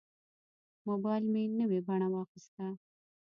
موبایل مې نوې بڼه واخیسته.